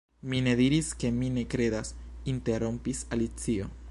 "Mi ne diris ke mi ne kredas," interrompis Alicio.